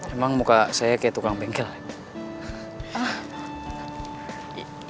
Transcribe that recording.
emang muka saya kayak tukang bengkel aja